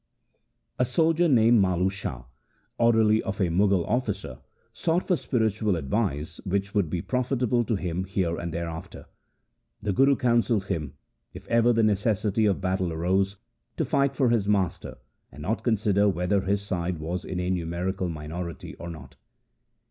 A soldier named Malu Shah, orderly of a Mughal officer, sought for spiritual advice which would be profitable to him here and hereafter. The Guru counselled him, if ever the necessity of battle arose, to fight for his master, and not consider whether his side was in a numerical minority or not.